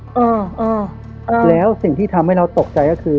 อ่าอ่าแล้วสิ่งที่ทำให้เราตกใจก็คือ